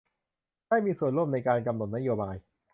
ได้มีส่วนร่วมในการกำหนดนโยบาย